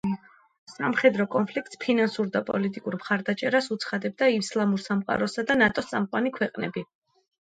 სამხედრო კონფლიქტს ფინანსურ და პოლიტიკურ მხარდაჭერას უცხადებდა ისლამური სამყაროსა და ნატოს წამყვანი ქვეყნები.